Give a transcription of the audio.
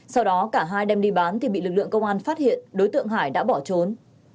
sau đó cả hai đem đi bán thì bị lực lượng công an phát hiện đối tượng hải đã bỏ trốn